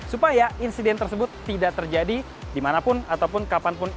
supaya insiden tersebut tidak terjadi dimanapun ataupun kapanpun